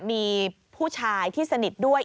มีผู้ชายที่สนิทด้วย